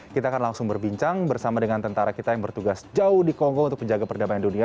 kita akan langsung berbincang bersama dengan tentara kita yang bertugas jauh di kongo untuk menjaga perdamaian dunia